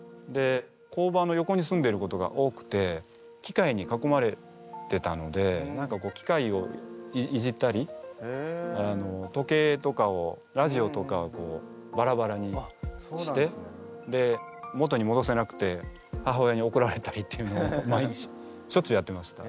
工場の横に住んでることが多くて機械にかこまれてたので機械をいじったり時計とかをラジオとかをバラバラにして元にもどせなくて母親におこられたりっていうのを毎日しょっちゅうやってました。